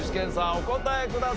お答えください。